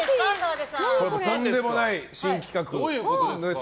とんでもない新企画です。